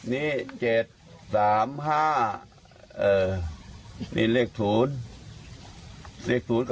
นี่เจ็ดสามห้าเออที่เลขธูน